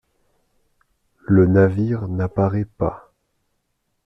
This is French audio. Le navire n’apparaît pas.